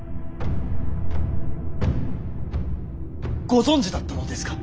ご存じだったのですか。